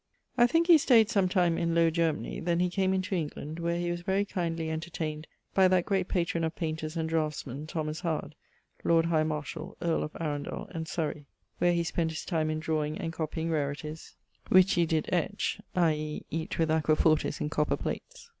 I thinke he stayd sometime in Lowe Germany, then he came into England, wher he was very kindly entertained by that great patron of painters and draughts men Lord High Marshall, earl of Arundell and Surrey, where he spent his time in draweing and copying rarities, which he did etch (i.e. eate with aqua fortis in copper plates).